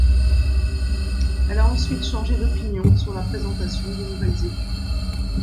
Elle a ensuite changé d'opinion sur la présentation de nouvelle études.